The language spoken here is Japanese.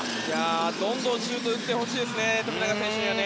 どんどんシュートを打ってほしいですね富永選手。